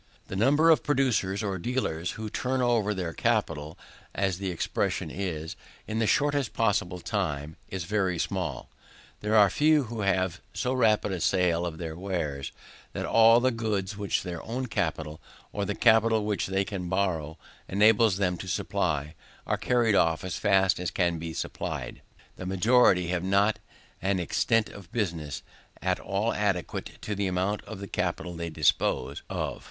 The number of producers, or dealers, who turn over their capital, as the expression is, in the shortest possible time, is very small. There are few who have so rapid a sale for their wares, that all the goods which their own capital, or the capital which they can borrow, enables them to supply, are carried off as fast as they can be supplied. The majority have not an extent of business, at all adequate to the amount of the capital they dispose of.